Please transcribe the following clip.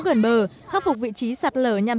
gần bờ khắc phục vị trí sạt lở nhằm